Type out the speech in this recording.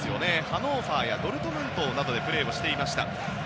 ハノーファーやドルトムントなどでプレーをしていました。